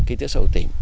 kinh tế sâu tỉnh